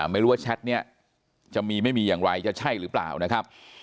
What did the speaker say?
ไม่รู้ว่าแชทนี้จะมีไม่มีอย่างไรจะใช่หรือเปล่านะครับ